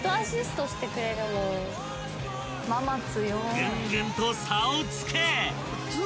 ［ぐんぐんと差をつけ］